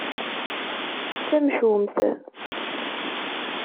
D tamcumt.